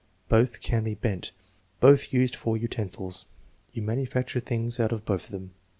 "Both can be bent." "Both used for utensils." *' You manufacture things out of both of them."